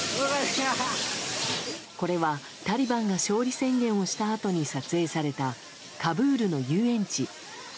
これは、タリバンが勝利宣言をしたあとに撮影されたカブールの遊園地。